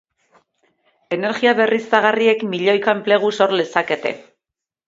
Energia berriztagarriek milioika enplegu sor lezakete.